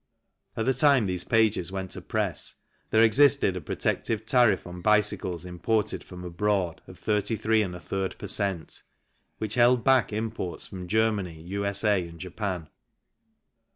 At the time these pages went to press there existed a protective tariff on bicycles imported from abroad of 33 J per cent., which held back imports from Germany, U.S.A., and Japan.